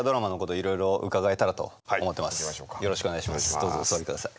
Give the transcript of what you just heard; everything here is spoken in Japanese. どうぞお座りください。